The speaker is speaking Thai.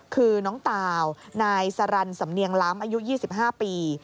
คือน้องตาวนายสรรสำเนียงล้ำอายุ๒๕ปี